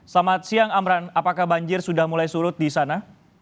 selamat siang amran apakah banjir sudah mulai surut di sana